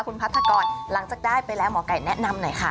คุณพัทธกรหลังจากได้ไปแล้วหมอไก่แนะนำหน่อยค่ะ